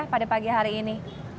pada pagi hari ini